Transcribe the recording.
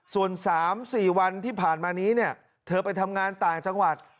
ส่วน๓๔วันที่ผ่านมานี้เนี่ยเธอไปทำงานต่างจังหวัด